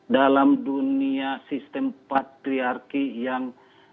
dalam dunia sistem patriarki yang